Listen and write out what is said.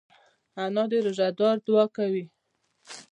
انا د روژهدار دعا کوي